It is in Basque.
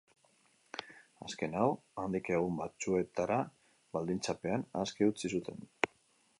Azken hau, handik egun batzuetarabaldintzapean aske utzi zuten.